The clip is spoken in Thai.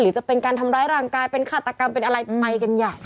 จะเป็นการทำร้ายร่างกายเป็นฆาตกรรมเป็นอะไรไปกันใหญ่